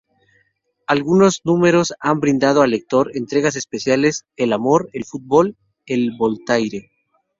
Algunos números han brindado al lector entregas especiales: "el amor", "el fútbol" o "Voltaire".